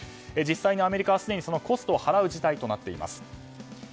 実際にアメリカはすでにコストを払う事態となっています。